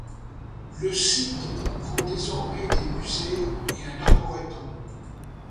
Le site comprend désormais des musées et un arboretum.